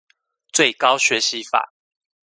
最高學習法